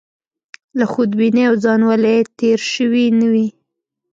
له خودبینۍ او ځانولۍ تېر شوي نه وي.